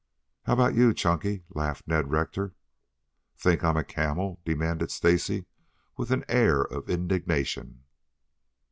"How about you, Chunky?" laughed Ned Rector. "Think I'm a camel?" demanded Stacy, with an air of indignation.